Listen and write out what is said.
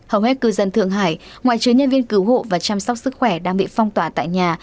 hầu hết cư dân thượng hải ngoại chứa nhân viên cứu hộ và chăm sóc sức khỏe đang bị phong tỏa tại nhà